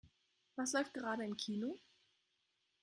Was läuft gerade im Kino?